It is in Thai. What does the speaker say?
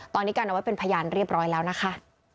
ตอนนี้กันเอาไว้เป็นพยานเรียบร้อยแล้วนะคะ